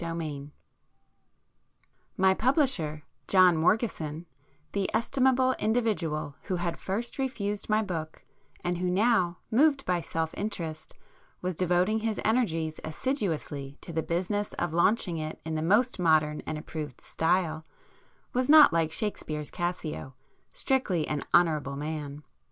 [p 96]IX My publisher, John Morgeson,—the estimable individual who had first refused my book, and who now, moved by self interest, was devoting his energies assiduously to the business of launching it in the most modern and approved style, was not like Shakespeare's Cassio, strictly 'an honourable man.